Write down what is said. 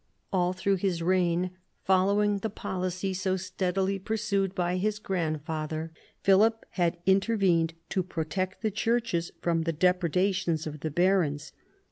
All through his reign, following the policy so steadily pursued by his grandfather, Philip had intervened to protect the churches from the depredations of the barons.